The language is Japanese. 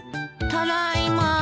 ただいま。